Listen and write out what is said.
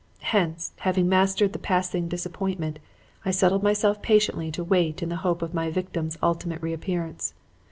Hence, having mastered the passing disappointment, I settled myself patiently to wait in the hope of my victim's ultimate reappearance.